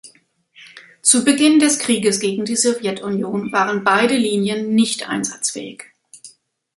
Zu Beginn des Krieges gegen die Sowjetunion waren beide Linien nicht einsatzfähig.